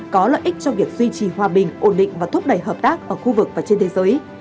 có lợi ích cho việc duy trì hòa bình ổn định và thúc đẩy hợp tác ở khu vực và trên thế giới